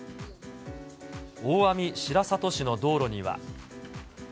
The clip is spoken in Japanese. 大網白里市の道路には。